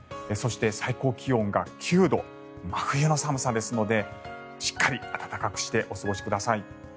そして最高気温が９度真冬の寒さですのでしっかり暖かくしてお過ごしください。